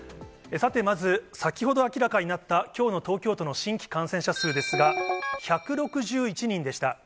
さて、まず先ほど明らかになったきょうの東京都の新規感染者数ですが、１６１人でした。